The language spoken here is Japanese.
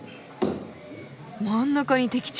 真ん中に的中！